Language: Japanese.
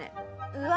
うわ